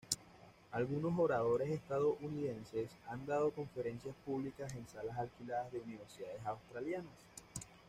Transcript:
Algunos oradores estadounidenses han dado conferencias públicas en salas alquiladas de universidades australianas.